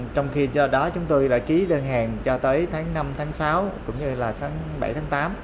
trong khi do đó chúng tôi đã ký đơn hàng cho tới tháng năm tháng sáu cũng như là tháng bảy tháng tám